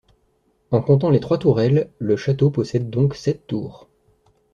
En comptant les trois tourelles, le château possède donc sept tours.